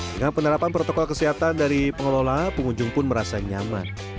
dengan penerapan protokol kesehatan dari pengelola pengunjung pun merasa nyaman